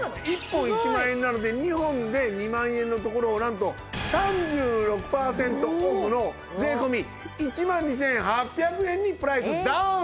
１本１万円なので２本で２万円のところをなんと３６パーセントオフの税込１万２８００円にプライスダウン！